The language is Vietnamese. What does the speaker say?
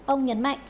ông nhấn mạnh